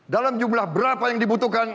dalam jumlah berapa yang dibutuhkan